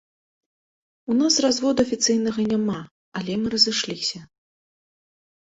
У нас разводу афіцыйнага няма, але мы разышліся.